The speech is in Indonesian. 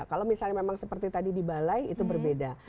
kalau misalnya memang seperti tadi di balai itu berbeda